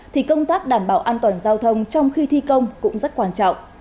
thì công tác đảm bảo an toàn giao thông trong khi thi công cũng rất quan trọng